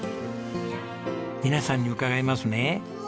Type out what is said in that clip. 皆さんに伺いますね。